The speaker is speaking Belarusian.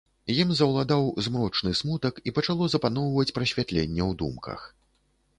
Ім заўладаў змрочны смутак, і пачало запаноўваць прасвятленне ў думках.